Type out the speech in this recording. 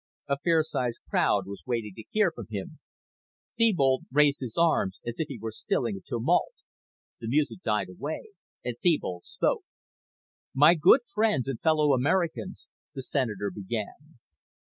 A fair sized crowd was waiting to hear him. Thebold raised his arms as if he were stilling a tumult. The music died away and Thebold spoke. "My good friends and fellow Americans," the Senator began.